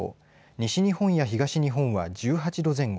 西日本や東日本は１８度前後。